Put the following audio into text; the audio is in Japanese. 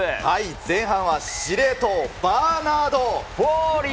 前半は司令塔、バーナード・フォーリー。